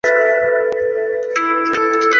欧洲常见的西多士主要使用法国面包制作。